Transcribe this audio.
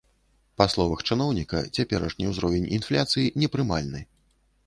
Па словах чыноўніка, цяперашні ўзровень інфляцыі непрымальны.